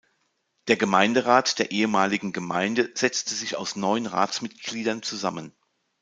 Der Gemeinderat der ehemaligen Gemeinde setzte sich aus neun Ratsmitgliedern zusammen.